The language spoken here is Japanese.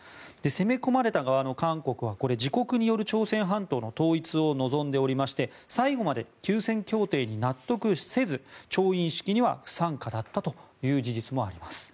攻め込まれた側の韓国は自国による朝鮮半島の統一を望んでおりまして最後まで休戦協定に納得せず調印式には不参加だったという事実もあります。